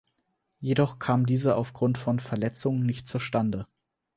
Jedoch kam diese aufgrund von Verletzungen nicht zustande.